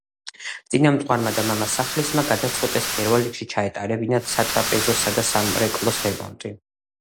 წინამძღვარმა და მამასახლისმა გადაწყვიტეს პირველ რიგში ჩაეტარებინათ სატრაპეზოსა და სამრეკლოს რემონტი.